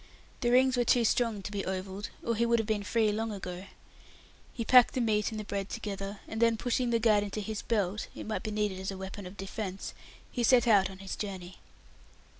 The rings were too strong to be "ovalled", * or he would have been free long ago. He packed the meat and bread together, and then pushing the gad into his belt it might be needed as a weapon of defence he set out on his journey.